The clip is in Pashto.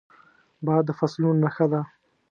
باد د فصلونو نښه ده